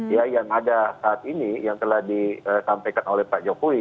ya yang ada saat ini yang telah disampaikan oleh pak jokowi